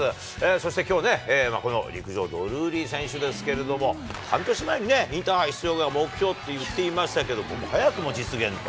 そして、きょうね、この陸上、ドルーリー選手ですけれども、半年前にね、インターハイ出場が目標って言っていましたけど、早くも実現と。